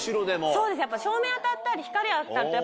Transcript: そうですね。